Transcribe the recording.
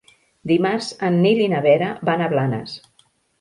Dimarts en Nil i na Vera van a Blanes.